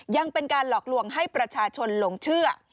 ยังเป็นการหลอกลวงให้ประชาชนหลงเชื่อ